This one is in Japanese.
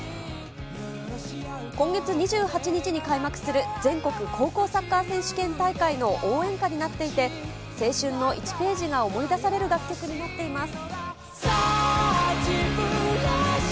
今月２８日に開幕する、全国高校サッカー選手権大会の応援歌になっていて、青春の１ページが思い出される楽曲になっています。